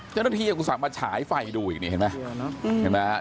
เจ้าหน้าที่อาจอุตส่าห์มาฉายไฟดูอีกนี่เห็นไหม